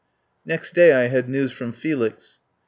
Next day I had news from Felix.